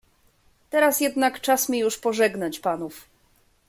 "Teraz jednak czas mi już pożegnać panów."